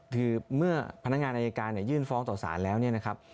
คือเมื่อพนักงานอายการยื่นฟ้องต่อสารแล้วเนี่ยนะครับ